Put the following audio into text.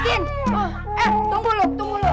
eh tunggu lu tunggu lu